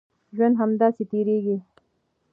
ژوند همداسې تېرېږي.